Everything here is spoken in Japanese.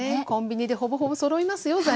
コンビニでほぼほぼそろいますよ